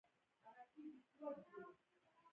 آیا د میلمه لپاره تیاری نه نیول کیږي؟